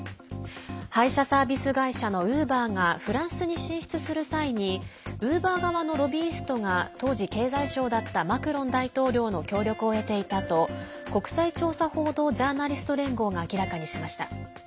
配車サービス会社のウーバーがフランスに進出する際にウーバー側のロビイストが当時、経済相だったマクロン大統領の協力を得ていたと国際調査報道ジャーナリスト連合が明らかにしました。